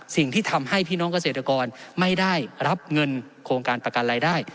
สิ่งที่ทำให้พี่น้องเกษตรกรไม่ได้รับเงินโครงการประกันรายได้